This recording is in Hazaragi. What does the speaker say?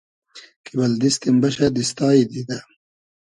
کی بئل دیستیم بئشۂ دیستای دیدۂ